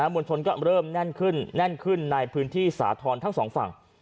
มวลชนก็เริ่มแน่นขึ้นแน่นขึ้นในพื้นที่สาธรณ์ทั้งสองฝั่ง